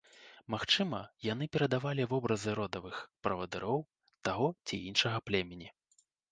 Магчыма, яны перадавалі вобразы родавых правадыроў таго ці іншага племені.